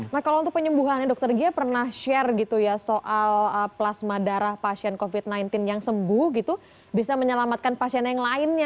nah kalau untuk penyembuhannya dokter gia pernah share gitu ya soal plasma darah pasien covid sembilan belas yang sembuh gitu bisa menyelamatkan pasien yang lainnya